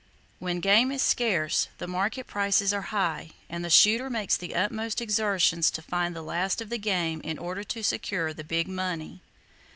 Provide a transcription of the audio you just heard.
When game is scarce, the market prices are high, and the shooter makes the utmost exertions to find the last of the game in order to secure the "big money."